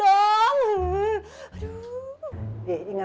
omongan yang yine juga engek